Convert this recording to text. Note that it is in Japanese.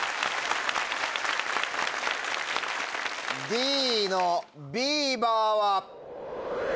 Ｄのビーバーは？